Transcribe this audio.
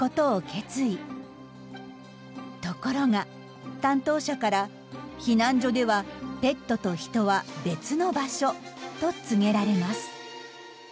ところが担当者から「避難所ではペットと人は別の場所」と告げられます。